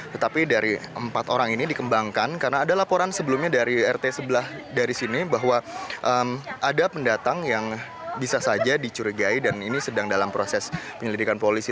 tetapi dari empat orang ini dikembangkan karena ada laporan sebelumnya dari rt sebelah dari sini bahwa ada pendatang yang bisa saja dicurigai dan ini sedang dalam proses penyelidikan polisi